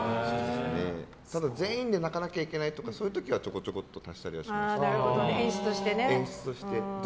ただ、全員で泣かなきゃいけない時はそういう時はちょこちょこっと足したりはしますけど。